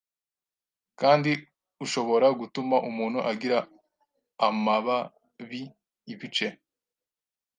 kandi ushoboragutuma umuntu agira amababiibice